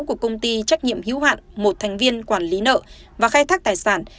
của công ty trách nhiệm hữu hạn một thành viên quản lý nợ và khai thác tài sản